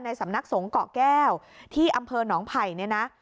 สำนักสงฆ์เกาะแก้วที่อำเภอหนองไผ่เนี่ยนะ